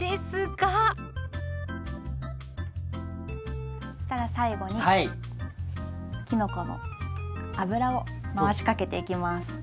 そしたら最後にきのこの油を回しかけていきます。